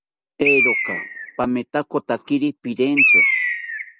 Eeroka pamitakotakiri pirentzi